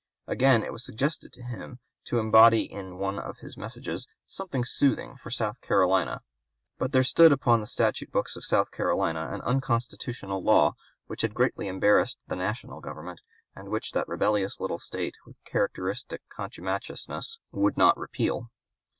Again it was suggested to him to embody in one of his messages "something soothing for South Carolina." But there stood upon the statute books of South Carolina an unconstitutional law which had greatly embarrassed the national government, and which that rebellious little State with characteristic contumaciousness would not repeal.